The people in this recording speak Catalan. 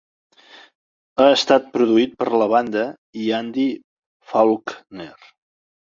Ha estat produït per la banda i Andy Faulkner.